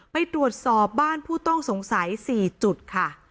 ไปตรวจสอบบ้านผู้ต้องสงสัย๔จุดค่ะ